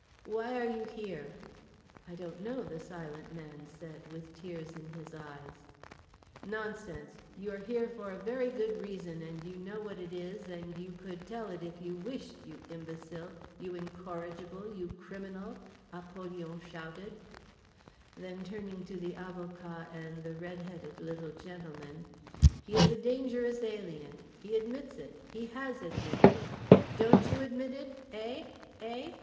"Why are you here?" "I don't know," The Silent Man said, with tears in his eyes. "NONSENSE! You're here for a very good reason and you know what it is and you could tell it if you wished, you imbecile, you incorrigible, you criminal," Apollyon shouted; then, turning to the avocat and the red headed little gentleman, "He is a dangerous alien, he admits it, he has admitted it—DON'T YOU ADMIT IT, EH? EH?"